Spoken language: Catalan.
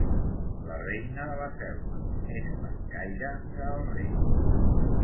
La reina de la selva, més pencaire que el rei.